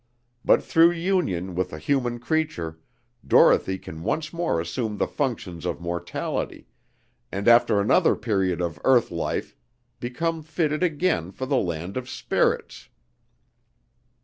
But through union with a human creature, Dorothy can once more assume the functions of mortality, and after another period of earth life, become fitted again for the land of spirits."